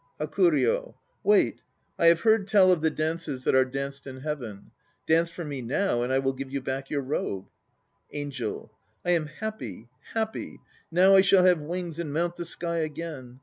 HAKURYO. Wait. I have heard tell of the dances that are danced in heaven. Dance for me now, and I will give back your robe. ANGEL. I am happy, happy. Now I shall have wings and mount the sky again.